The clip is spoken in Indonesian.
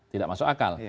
tidak masuk akal